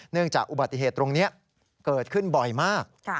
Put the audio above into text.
จากอุบัติเหตุตรงนี้เกิดขึ้นบ่อยมาก